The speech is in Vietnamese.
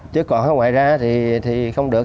chứ còn ngoài ra thì không được